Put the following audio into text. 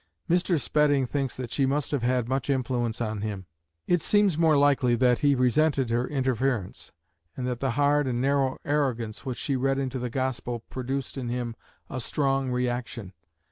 Mr. Spedding thinks that she must have had much influence on him; it seems more likely that he resented her interference, and that the hard and narrow arrogance which she read into the Gospel produced in him a strong reaction.